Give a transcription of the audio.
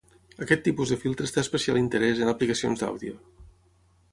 Aquest tipus de filtres té especial interès en aplicacions d'àudio.